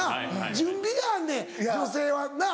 準備があんねん女性はなっ